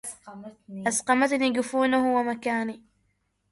أسقمتني جفونه ومكاني